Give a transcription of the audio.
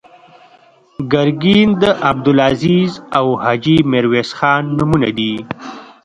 ګرګین د عبدالعزیز او حاجي میرویس خان نومونه دي.